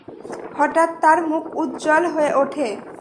হঠাৎ তার মুখ উজ্জ্বল হয়ে ওঠে।